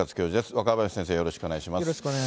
若林先生、よろしくお願いします。